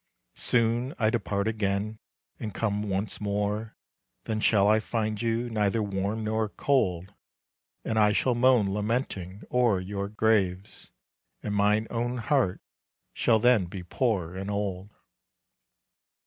Soon I depart again, and come once more, Then shall I find you neither warm nor cold. And I shall moan lamenting o'er your graves, And mine own heart shall then be poor and old.